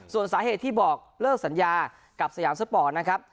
ส่วนสาเหตุที่บอกเลิกสัญญากับสยามสปอร์ตนะครับ